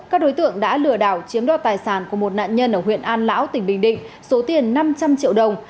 các đối tượng đã lừa đảo chiếm đoạt tài sản của một nạn nhân ở huyện an lão tỉnh bình định số tiền năm trăm linh triệu đồng